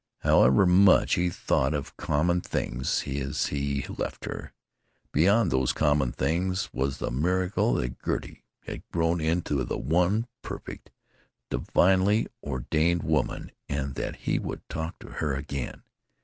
However much he thought of common things as he left her, beyond those common things was the miracle that Gertie had grown into the one perfect, divinely ordained woman, and that he would talk to her again.